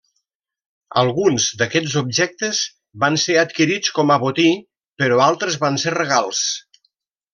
Alguns d'aquests objectes van ser adquirits com a botí però altres van ser regals.